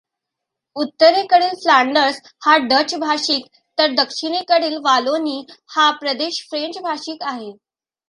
उत्तरेकडील फ्लांडर्स हा डच भाषिक तर दक्षिणेकडील वालोनी हा प्रदेश फ्रेंच भाषिक आहे.